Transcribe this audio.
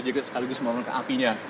jadi sekaligus melakukan apinya